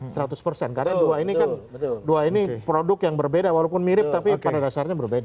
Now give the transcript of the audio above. karena dua ini kan produk yang berbeda walaupun mirip tapi pada dasarnya berbeda